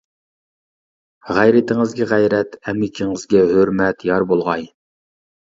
غەيرىتىڭىزگە غەيرەت، ئەمگىكىڭىزگە ھۆرمەت يار بولغاي!